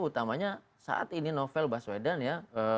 utamanya saat ini novel baswedan ya